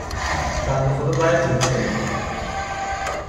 بنده خدا بدجور چاییده